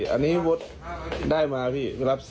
อันนี้โบ๊ทได้มาพี่ครับ